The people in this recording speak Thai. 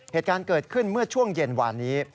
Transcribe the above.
เหตุการณ์เกิดขึ้นเมื่อช่วงเย็นวานนี้